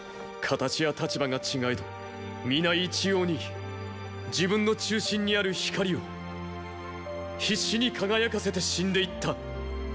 形や立場が違えど皆一様に自分の中心にある“光”を必死に輝かせて死んでいった。